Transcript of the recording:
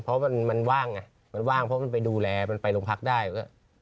เพราะว่ามันมันว่างอ่ะมันว่างเพราะมันไปดูแลมันไปโรงพักษณ์ได้ก็